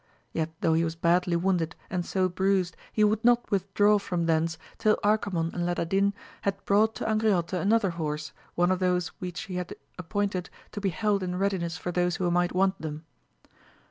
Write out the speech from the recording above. Yet though he was badly wounded and so bruised he would not withdraw from thence till Arcamon and Ladadin had brought to Angriote another horse, one of those which he had appointed to be held in readi ness for those who might want them.